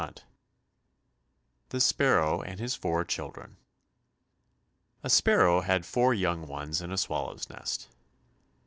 157 The Sparrow And His Four Children A sparrow had four young ones in a swallow's nest.